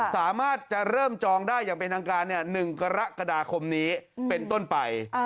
สามารถจะเริ่มจองได้อย่างเป็นทางการ๑กรกฎาคมนี้เป็นต้นไป